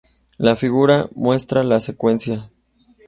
La figura muestra la secuencia.